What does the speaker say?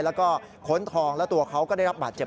แล้วก็ค้นทองแล้วตัวเขาก็ได้รับบาดเจ็บ